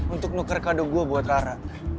untuk nuker kado gue buat lara